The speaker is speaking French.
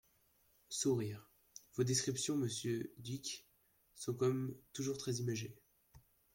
(Sourires.) Vos descriptions, monsieur Dhuicq, sont comme toujours très imagées.